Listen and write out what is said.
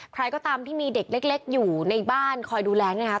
ใครก็ตามที่มีเด็กเล็กอยู่ในบ้านคอยดูแลเนี่ยนะครับ